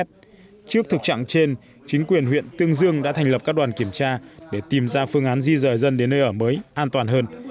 trước thực trạng trên chính quyền huyện tương dương đã thành lập các đoàn kiểm tra để tìm ra phương án di rời dân đến nơi ở mới an toàn hơn